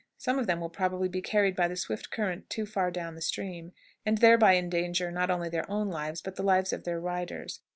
Some of them will probably be carried by the swift current too far down the stream, and thereby endanger not only their own lives, but the lives of their riders.